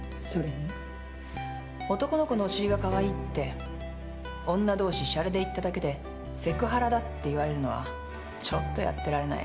男の子のお尻がかわいいって女同士しゃれで言っただけでセクハラだって言われるのはちょっとやってられない。